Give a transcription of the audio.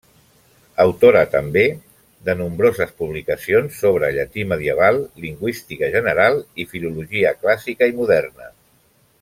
Autora també de nombroses publicacions sobre llatí medieval, lingüística general i filologia clàssica i moderna.